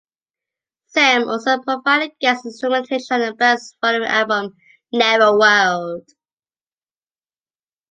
Sam also provided guest instrumentation on the band's following album, "Neverworld".